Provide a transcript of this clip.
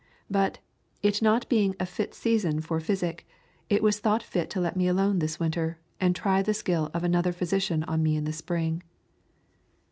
But, it not being a fit season for physic, it was thought fit to let me alone this winter, and try the skill of another physician on me in the spring."